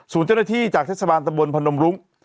ศูนย์เจ้าหน้าที่จากทรัศบาลตะบลพันธมรุ้ง